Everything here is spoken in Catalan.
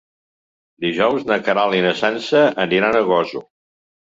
Dijous na Queralt i na Sança aniran a Gósol.